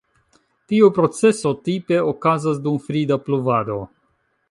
Tiu proceso tipe okazas dum frida pluvado.